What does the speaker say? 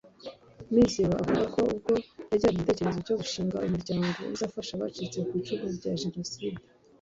Mizero avuga ko ubwo yagiraga igitekerezo cyo gushinga umuryango uzafasha n’abacitse ku icumu rya Jenoside